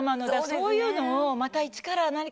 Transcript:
そういうのをまた一から。